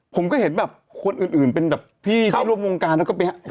ผมก็เห็นแบบคนอื่นเป็นแบบพี่ที่ร่วมวงการแล้วก็ไป